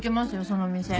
その店。